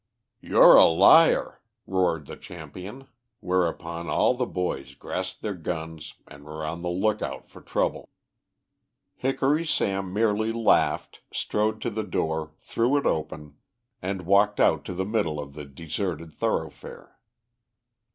"You're a liar," roared the champion, whereupon all the boys grasped their guns and were on the look out for trouble. Hickory Sam merely laughed, strode to the door, threw it open, and walked out to the middle of the deserted thoroughfare.